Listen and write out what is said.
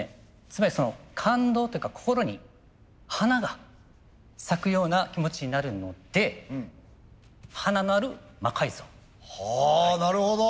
つまり感動というか心に華が咲くような気持ちになるので「”華”のある魔改造」。はなるほど！